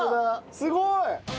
すごい！